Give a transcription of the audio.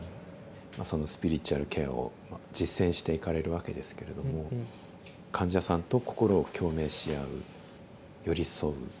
そのスピリチュアルケアを実践していかれるわけですけれども患者さんと心を共鳴し合う寄り添う。